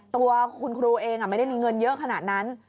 ตัวคุณครูเองไม่ได้มีเงินเยอะขนาดนั้น